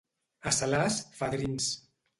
A Salàs, fadrins.